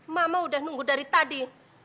mama udah nunggu dari tadi